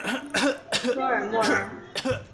科尔莫兰。